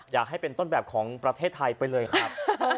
อยากให้เป็นต้นแบบของประเทศไทยไปเลยครับ